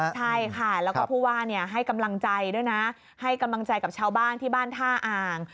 ใช่ค่ะแล้วก็ผู้ว่าให้กำลังใจด้วยนะให้กำลังใจกับชาวบ้านที่บ้านท่าอ่าง